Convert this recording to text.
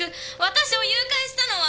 私を誘拐したのは！